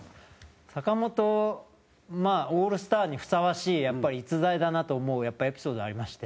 坂本、まあオールスターにふさわしいやっぱり、逸材だなと思うエピソードありまして。